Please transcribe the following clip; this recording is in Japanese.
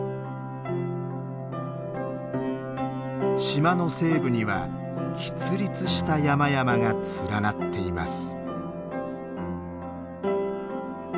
島の西部にはきつ立した山々が連なっています。